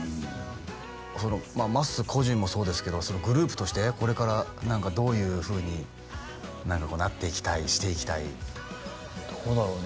そのまっすー個人もそうですけどグループとしてこれから何かどういうふうになっていきたいしていきたいどうだろうね